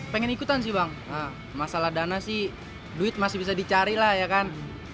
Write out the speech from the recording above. pengen ikutan sih bang masalah dana sih duit masih bisa dicari lah ya kan